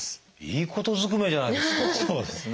いいことずくめじゃないですか！